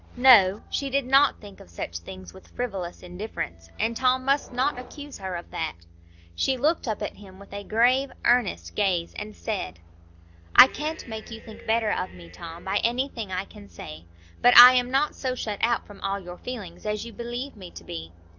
No! She did not think of such things with frivolous indifference, and Tom must not accuse her of that. She looked up at him with a grave, earnest gaze and said,— "I can't make you think better of me, Tom, by anything I can say. But I am not so shut out from all your feelings as you believe me to be.